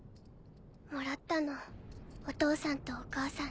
もらったのお父さんとお母さんに。